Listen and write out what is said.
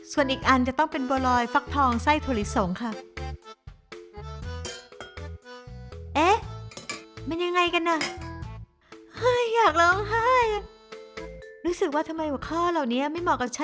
ส่วนอีกอันจะต้องเป็นบัวลอยฟักทองไส้ถั่วลิสงค่ะ